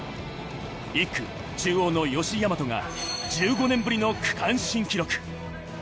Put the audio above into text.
１区、中央の吉居大和が１５年ぶりの区間新記録。